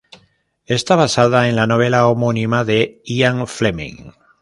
Está basada en la novela homónima de Ian Fleming.